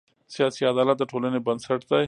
سیاسي عدالت د ټولنې بنسټ دی